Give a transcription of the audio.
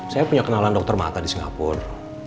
saya punya kenalan dokter mata di singapura